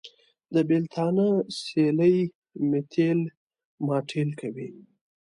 د بېلتانه سیلۍ مې تېل ماټېل کوي.